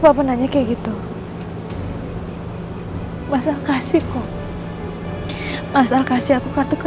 tapi begitu saja alpha ya science covid sembilan belas moins sedikit